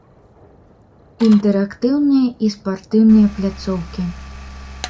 Інтэрактыўныя і спартыўныя пляцоўкі.